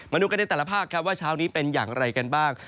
มาดูกันในแต่ละภาคครับว่าเช้านี้เป็นอย่างไรกันบ้าง